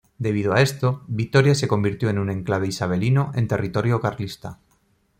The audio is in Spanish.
Debido a esto, Vitoria se convirtió en un enclave isabelino en territorio carlista.